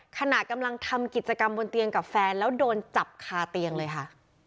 ขณะกำลังทำกิจกรรมบนเตียงกับแฟนแล้วโดนจับคาเตียงเลยค่ะ